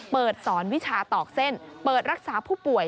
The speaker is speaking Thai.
สอนวิชาตอกเส้นเปิดรักษาผู้ป่วย